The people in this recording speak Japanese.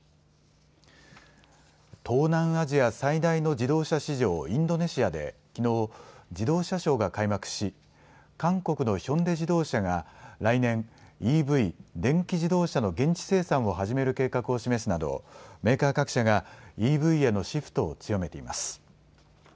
東南アジア最大の自動車市場、インドネシアできのう自動車ショーが開幕し韓国のヒョンデ自動車が来年、ＥＶ・電気自動車の現地生産を始める計画を示すなどメーカー各社がＥＶへのシフトを強めています。